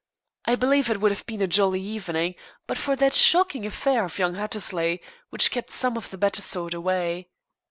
I believe it would have been a jolly evening, but for that shocking affair of young Hattersley which kept some of the better sort away.